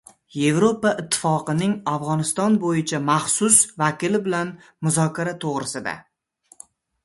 Yevropa Ittifoqining Afg‘oniston bo‘yicha maxsus vakili bilan muzokara to‘g‘risida